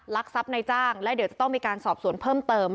ทรัพย์ในจ้างและเดี๋ยวจะต้องมีการสอบสวนเพิ่มเติม